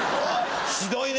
ひどいね！